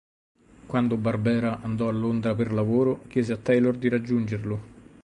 Quando Barbera andò a Londra per lavoro, chiese a Taylor di raggiungerlo.